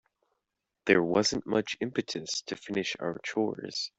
There wasn't much impetus to finish our chores.